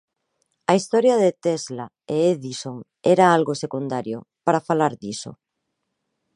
A historia de Tesla e Edison era algo secundario, para falar diso.